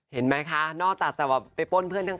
เห็นไหมคะนอกจากแบบว่าไปป้นเพื่อนข้าง